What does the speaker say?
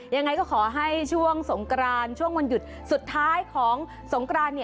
ยังไงก็ขอให้ช่วงสงกรานช่วงวันหยุดสุดท้ายของสงกราน